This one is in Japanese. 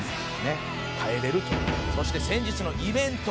「そして先日のイベント」